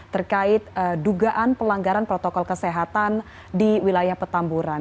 terkait dugaan pelanggaran protokol kesehatan di wilayah petamburan